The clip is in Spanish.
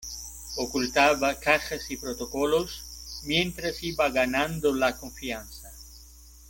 ocultaba cajas y protocolos mientras iba ganando la confianza